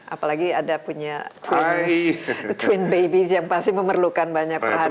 apalagi ada punya twin babys yang pasti memerlukan banyak perhatian